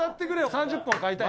３０本買いたい。